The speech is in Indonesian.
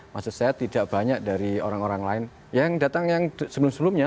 maksud saya tidak banyak dari orang orang lain yang datang yang sebelum sebelumnya